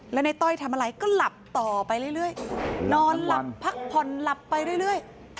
แล้วในต้อยทำอะไรก็หลับต่อไปเรื่อยนอนหลับพักผ่อนหลับไปเรื่อย